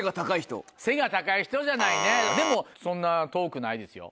背が高い人じゃないねでもそんな遠くないですよ。